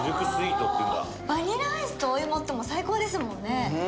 バニラアイスとお芋って最高ですもんね。